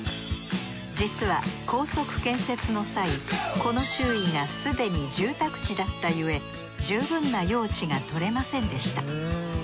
実は高速建設の際この周囲がすでに住宅地だったゆえ十分な用地が取れませんでした。